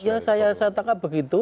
ya saya tangkap begitu